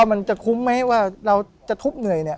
มันจะคุ้มไหมว่าเราจะทุบเหนื่อยเนี่ย